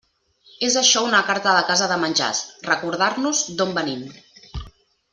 És això una carta de casa de menjars: recordar-nos d'on venim.